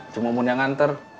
cuma mun yang nganter